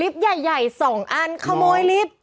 ลิปใหญ่๒อันขโมยลิป